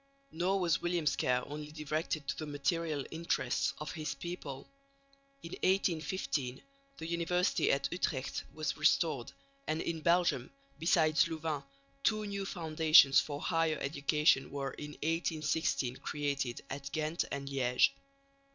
Nor was William's care only directed to the material interests of his people. In 1815 the University at Utrecht was restored; and in Belgium, besides Louvain, two new foundations for higher education were in 1816 created at Ghent and Liège.